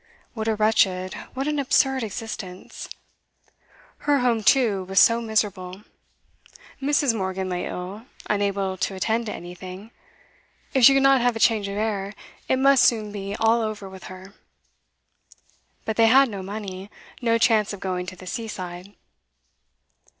What a wretched, what an absurd existence! Her home, too, was so miserable. Mrs. Morgan lay ill, unable to attend to anything; if she could not have a change of air, it must soon be all over with her. But they had no money, no chance of going to the seaside.